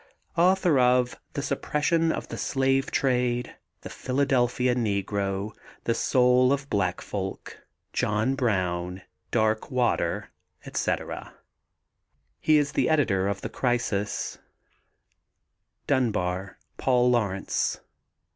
Author of the Suppression of the Slave Trade, The Philadelphia Negro, The Souls of Black Folk, John Brown, Darkwater, etc. He is the editor of The Crisis. DUNBAR, PAUL LAURENCE.